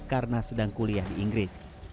karena sedang kuliah di inggris